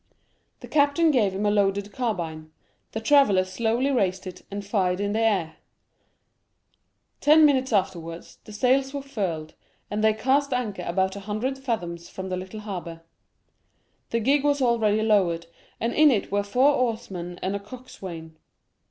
The captain gave him a loaded carbine; the traveller slowly raised it, and fired in the air. Ten minutes afterwards, the sails were furled, and they cast anchor about a hundred fathoms from the little harbor. The gig was already lowered, and in it were four oarsmen and a coxswain.